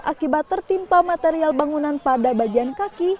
akibat tertimpa material bangunan pada bagian kaki